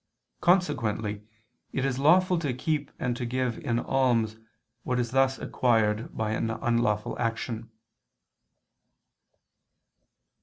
Consequently it is lawful to keep and to give in alms what is thus acquired by an unlawful action.